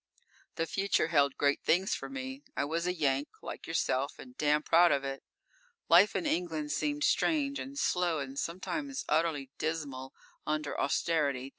The future held great things for me. I was a Yank like yourself, and damn proud of it. Life in England seemed strange and slow and sometimes utterly dismal under Austerity.